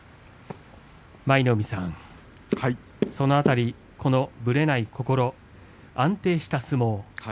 舞の海さん、その辺りぶれない心、安定した相撲